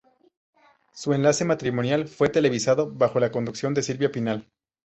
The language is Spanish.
Su enlace matrimonial fue televisado bajo la conducción de Silvia Pinal.